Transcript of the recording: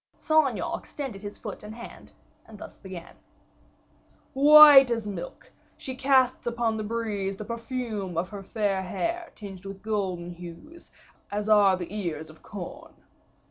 Saint Aignan extended his foot and hand, and thus began: "White as milk, she casts upon the breeze the perfume of her fair hair tinged with golden hues, as are the ears of corn.